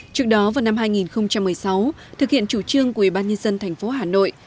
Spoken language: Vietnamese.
trước đó vào năm hai nghìn một mươi sáu thực hiện chủ trương của ủy ban nhân dân thành phố hà nội